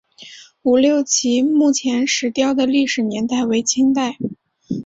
吴六奇墓前石雕的历史年代为清代。